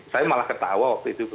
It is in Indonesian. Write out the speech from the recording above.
saya malah ketawa waktu itu